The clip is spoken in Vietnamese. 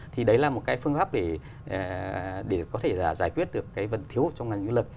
thì đấy là một cái phương pháp để có thể giải quyết được cái vấn thiếu trong ngành du lịch